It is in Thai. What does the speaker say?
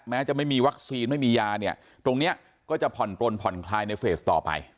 จะไม่มีวัคซีนไม่มียาเนี่ยตรงนี้ก็จะผ่อนปลนผ่อนคลายในเฟสต่อไป